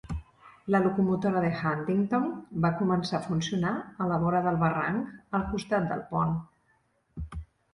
La locomotora de Huntington va començar a funcionar a la vora del barranc al costat del pont.